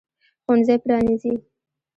ښوونځی پرانیزي.